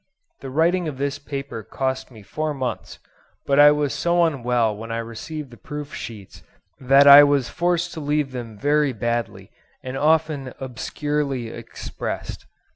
The writing of this paper cost me four months; but I was so unwell when I received the proof sheets that I was forced to leave them very badly and often obscurely expressed.